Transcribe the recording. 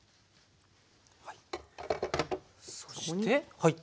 そして。